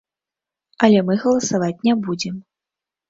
Але мы галасаваць не будзем.